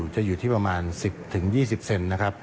จะอยู่ที่ประมาณ๑๐๒๐เซ็นต์